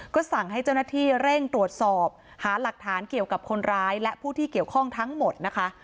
ก็สั่งให้เจ้าหน้าที่เร่งตรวจสอบหาหลักฐานเกี่ยวกับคนร้ายและผู้ที่เกี่ยวข้องทั้งหมดนะคะ